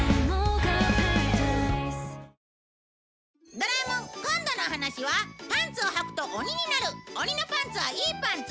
『ドラえもん』今度のお話はパンツをはくと鬼になる鬼のパンツはいいパンツ？